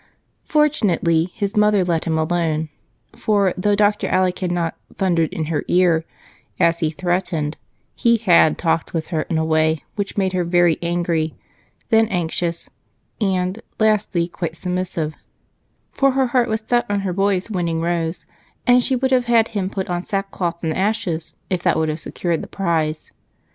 Fortunately, his mother let him alone, for though Dr. Alec had not "thundered in her ear" as he threatened, he had talked with her in a way which first made her very angry, then anxious, and, lastly, quite submissive, for her heart was set on the boy's winning Rose and she would have had him put on sackcloth and ashes if that would have secured the prize.